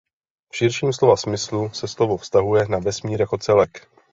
V širším slova smyslu se slovo vztahuje na vesmír jako celek.